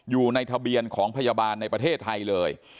อยู่ในทะเบียนของพยาบาลในประเทศไทยเลย